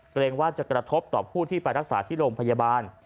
เกรงว่าจะกระทบต่อผู้ที่ไปรักษาที่โรงพยาบาล